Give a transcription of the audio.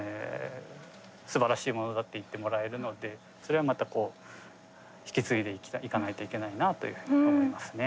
すばらしいものだって言ってもらえるのってそれはまたこう引き継いでいかないといけないなというふうに思いますね。